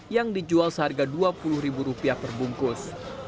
yang dijual seharga dua puluh ribu rupiah perbungkus